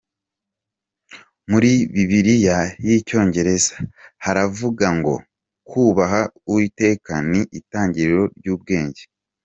Muri Bibiliya y'icyongereza haravuga ngo" Kubaha Uwiteka ni itangiriro ry'ubwenge.